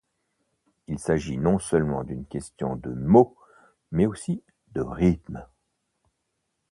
Il s'agit non seulement d'une question de mots mais aussi de rythme.